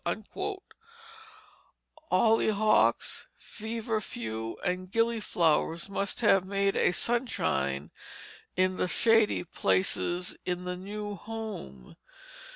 Hollyhocks, feverfew, and gillyflowers must have made a sunshine in the shady places in the new home.